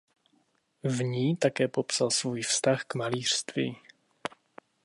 V ní také popsal svůj vztah k malířství.